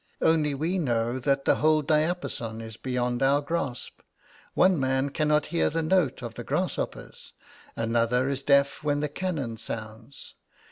Only we know that the whole diapason is beyond our grasp: one man cannot hear the note of the grasshoppers, another is deaf when the cannon sounds.